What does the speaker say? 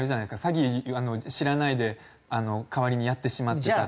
詐欺知らないで代わりにやってしまったりだとか。